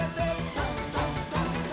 「どんどんどんどん」